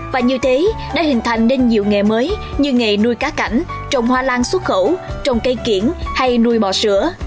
và như thế đã hình thành nên nhiều nghề mới như nghề nuôi cá cảnh trồng hoa lan xuất khẩu trồng cây kiển hay nuôi bò sữa